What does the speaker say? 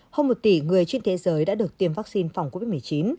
hơn một tỷ người trên thế giới đã được tiêm vaccine phòng covid một mươi chín